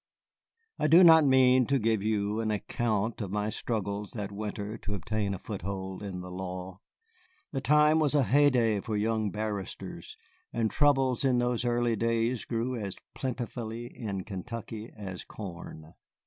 I do not mean to give you an account of my struggles that winter to obtain a foothold in the law. The time was a heyday for young barristers, and troubles in those early days grew as plentifully in Kentucky as corn.